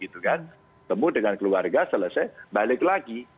ketemu dengan keluarga selesai balik lagi